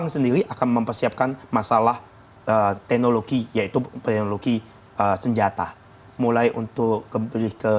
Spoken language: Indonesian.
sendiri akan mempersiapkan masalah teknologi yaitu teknologi senjata mulai untuk kembali ke